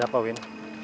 ada apa win